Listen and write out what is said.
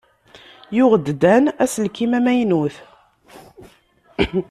Yuɣ-d Dan aselkim amaynut.